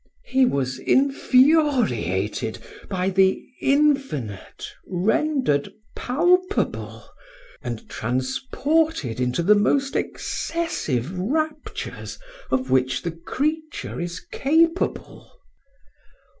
He was infuriated by the infinite rendered palpable, and transported into the most excessive raptures of which the creature is capable.